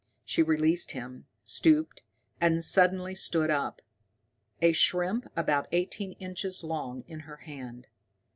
She released him, stooped, and suddenly stood up, a shrimp about eighteen inches long in her hand.